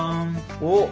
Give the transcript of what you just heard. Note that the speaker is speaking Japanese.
おっ。